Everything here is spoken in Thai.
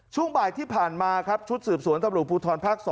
ช่วงบ่ายที่ผ่านมาครับชุดสืบสวนตำรวจภูทรภาค๒